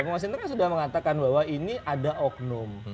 bang mas hinton sudah mengatakan bahwa ini ada oknum